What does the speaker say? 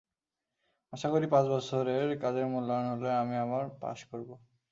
আশা করি, পাঁচ বছরের কাজের মূল্যায়ন হলে আমি আবার পাস করব।